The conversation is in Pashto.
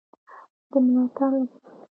د ملاتړ لپاره